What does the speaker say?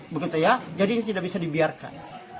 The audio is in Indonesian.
begitu ya jadi ini tidak bisa dibiarkan